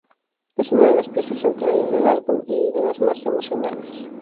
Es una de las piezas centrales del álbum y de las más emocionales.